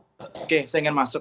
oke saya ingin masuk